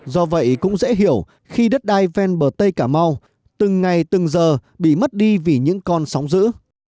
do vậy cũng dễ hiểu khi đất đai ven bờ tây cà mau từng ngày từng giờ bị mất đi vì những con sóng giữ